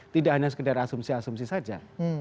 tidak hanya sekedar asumsi asumsi saja